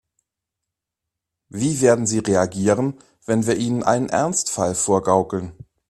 Wie werden sie reagieren, wenn wir ihnen einen Ernstfall vorgaukeln?